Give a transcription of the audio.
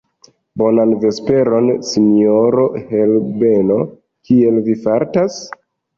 Bonan vesperon, sinjoro Herbeno; kiel vi fartas?